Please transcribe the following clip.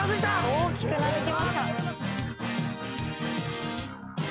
大きくうなずきました。